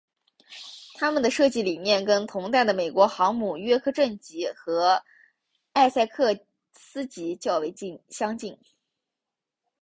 它们的设计理念跟同代的美国航母约克镇级和艾塞克斯级较为相近。